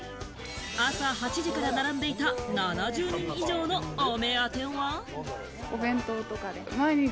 朝８時から並んでいた７０人以上のお目当ては？